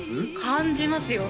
感じますよ